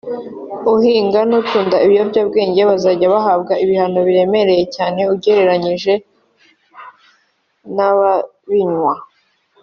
uhinga n’utunda ibiyobyabwenge bazajya bahabwa ibihano biremereye cyane ugereranije n’iby’ababinywa”